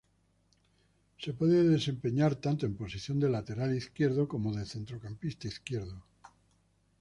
Se puede desempeñar tanto en posición de lateral izquierdo como de centrocampista izquierdo.